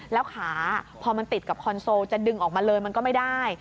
แล้วขาพอมันติดกับคอนโซลจะดึงออกมาเลยมันก็ไม่ได้